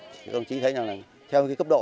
thì công chí thấy là theo cấp độ